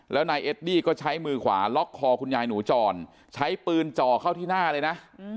แล้วนายเอดดี้ก็ใช้มือขวาล็อกคอคุณยายหนูจรใช้ปืนจ่อเข้าที่หน้าเลยนะ